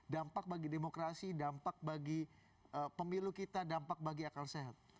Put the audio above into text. dampak bagi demokrasi dampak bagi pemilu kita dampak bagi akal sehat